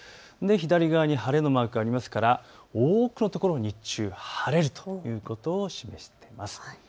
左側に晴れのマークがありますから多くの所、日中晴れるということを示しています。